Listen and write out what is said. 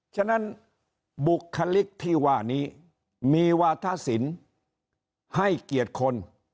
ฉะนั้นบุคลิกที่ว่านี้มีวาธศิลป์ให้เกียรติคน